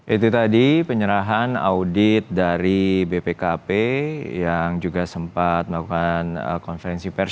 itu tadi penyerahan audit dari bpkp yang juga sempat melakukan konferensi pers